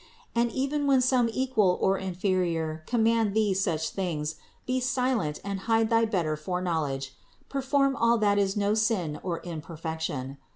And even when some equal or inferior command thee such things, be silent and hide thy better foreknowledge ; perform all that is no sin or imperfection.